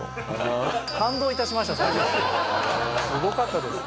すごかったです。